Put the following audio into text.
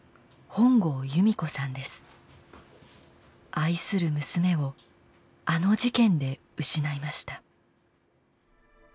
愛する娘を「あの事件」で失いました。